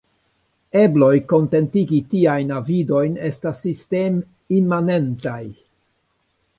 Ebloj kontentigi tiajn avidojn estas sistem-imanentaj.